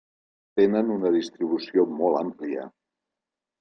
Tenen una distribució molt àmplia.